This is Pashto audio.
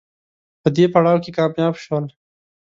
په دې پړاو کې کامیاب شول